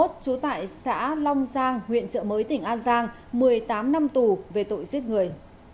trú tại xã long giang huyện trợ mới tỉnh an giang một mươi tám năm tù về tội giết người